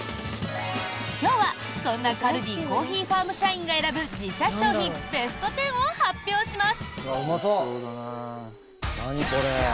今日はそんなカルディコーヒーファーム社員が選ぶ自社商品ベスト１０を発表します！